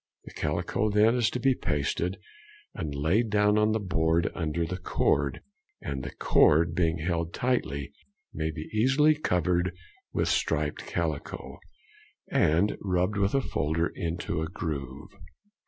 The calico is then to be pasted and laid down on the board under the cord, and the cord being held tightly may be easily covered with the striped calico, and rubbed with a folder into a groove.